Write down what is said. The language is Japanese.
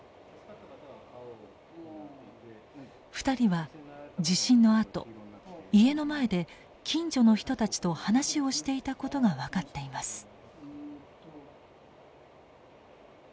２人は地震のあと家の前で近所の人たちと話をしていたことが分かっています。